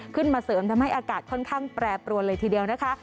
ขึ้นมาเสริมทำให้อากาศค่อนข้างแปรปรวนเลยทีเดียวนะคะ